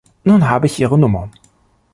Nun hab ich ihre Nummer.